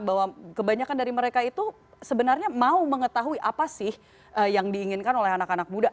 bahwa kebanyakan dari mereka itu sebenarnya mau mengetahui apa sih yang diinginkan oleh anak anak muda